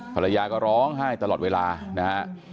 ภรรยาก็ร้องไห้ตลอดเวลานะฮะ